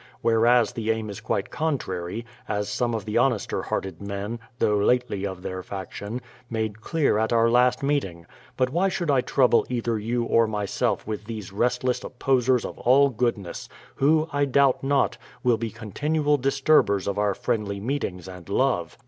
Whereas the aim is quite contrary, as some of the honester hearted men (though lately of their faction) made clear at our last meeting. But why should I trouble either you or myself with these restless opposers of all goodness, who, I doubt net, will be con tinual disturbers of our friendly meetings and love.